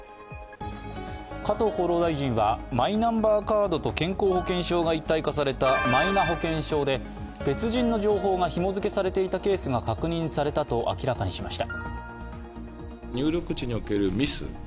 加藤厚労大臣はマイナンバーカードと健康保険証が一体化されたマイナ保険証で別人の情報がひもづけされていたケースが確認されたと明らかにしました。